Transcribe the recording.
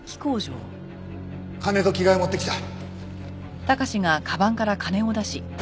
金と着替えを持ってきた。